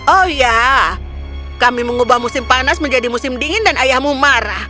oh iya kami mengubah musim panas menjadi musim dingin dan ayahmu marah